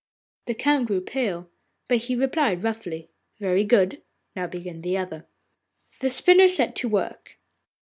The Count grew pale, but he replied roughly, 'Very good. Now begin the other.' The spinner set to work.